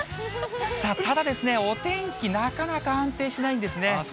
さあ、ただですね、お天気なかなか安定しないんですね。